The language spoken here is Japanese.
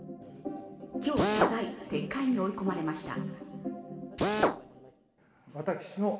今日、謝罪、撤回に追い込まれました。